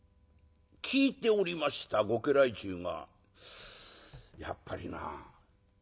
聞いておりましたご家来衆が「やっぱりな。